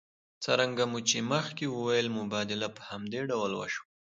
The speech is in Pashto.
څرنګه مو چې مخکې وویل مبادله په همدې ډول وشوه